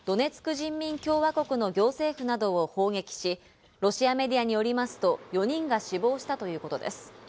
・ドネツク人民共和国の行政府などを攻撃し、ロシアメディアによりますと４人が死亡したということです。